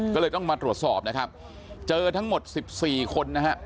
ก็เลยต้องมาตรวจสอบนะครับเจอทั้งหมด๑๔คนนะฮะ